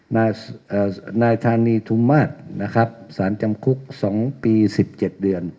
นายเอ่อนายธานีทุมมาตรนะครับสารจำคุกสองปีสิบเจ็ดเดือน